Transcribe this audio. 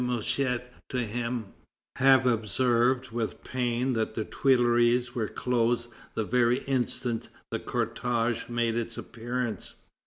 Mouchet to him, "have observed with pain that the Tuileries were closed the very instant the cortège made its appearance.